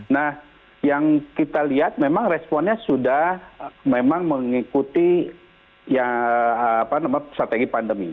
nah yang kita lihat memang responnya sudah memang mengikuti strategi pandemi